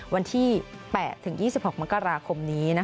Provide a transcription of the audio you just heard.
วันที่๘ถึง๒๖มกราคมนี้